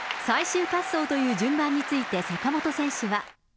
最終滑走という順番について坂本選手は。